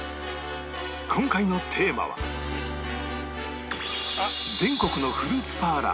今回のテーマは全国のフルーツパーラー